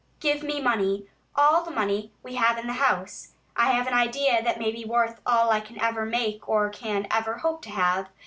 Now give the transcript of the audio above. "Give me money, all the money we have in the house. I have an idea that may be worth all I can ever make or can ever hope to have.